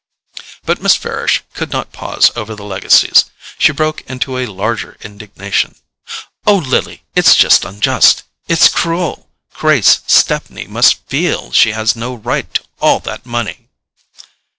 But Miss Farish could not pause over the legacies; she broke into a larger indignation. "Oh, Lily, it's unjust; it's cruel—Grace Stepney must FEEL she has no right to all that money!"